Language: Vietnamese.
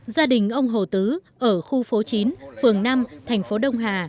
gia đình ông hồ tứ ở khu phố chín phường năm thành phố đông hà